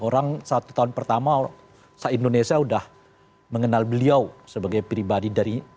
orang satu tahun pertama se indonesia sudah mengenal beliau sebagai pribadi dari